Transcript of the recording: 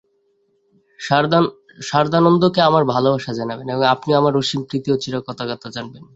সারদানন্দকে আমার ভালবাসা জানাবেন এবং আপনিও আমার অসীম প্রীতি ও চিরকৃতজ্ঞতা জানবেন।